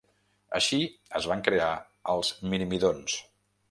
Així es van crear els mirmidons.